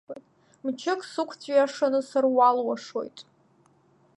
Мчык сыкәҵәиашаны саруалуашоит…